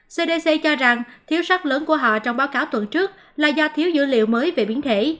cdc cho rằng thiếu sắc lớn của họ trong báo cáo tuần trước là do thiếu dữ liệu mới về biến thể